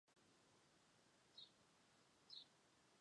麟德元年遥领单于大都护。